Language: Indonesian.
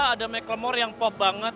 ada mclamore yang pop banget